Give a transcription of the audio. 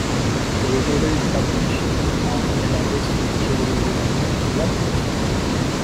The reporter is published with a digest in cumulative and annual volumes.